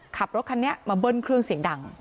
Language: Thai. ขับรถคันนี้มาเบิ้ลเครื่องเสียงดัง